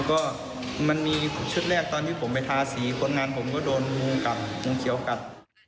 แล้วก็มันมีชุดแรกตอนที่ผมไปทาสีคนงานผมก็โดนมุงเกลียวกัด